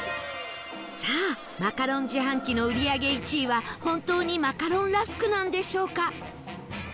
さあマカロン自販機の売り上げ１位は本当にマカロンラスクなんでしょうか？